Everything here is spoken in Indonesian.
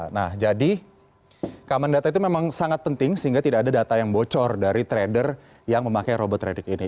nah jadi common data itu memang sangat penting sehingga tidak ada data yang bocor dari trader yang memakai robot trading ini